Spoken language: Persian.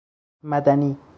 مدنی